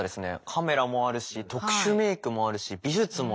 カメラもあるし特殊メークもあるし美術もあるし。